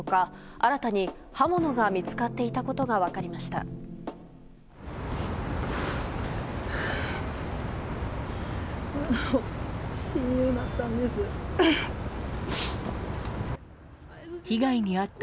新たに刃物が見つかっていたことが分かりました。